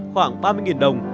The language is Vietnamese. khoảng ba mươi đồng